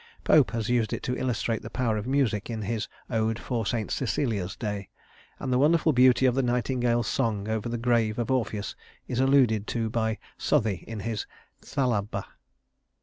Pope has used it to illustrate the power of music in his "Ode for St. Cecilia's Day," and the wonderful beauty of the nightingale's song over the grave of Orpheus is alluded to by Southey in his "Thalaba."